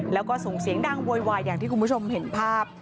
แล้วก็ส่งเสียงดังโวยวายอย่างที่คุณผู้ชมเห็นภาพ